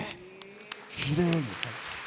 きれいに。